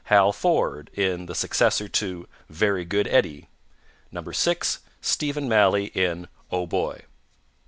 Hal Forde, in the successor to Very Good, Eddie. 6. Stephen Maley, in _Oh, Boy!